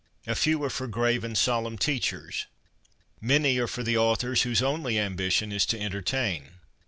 A few are for grave and solemn teachers. Many are for the authors whose only ambition is to entertain.